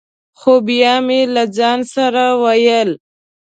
خو بیا مې له ځان سره ویل: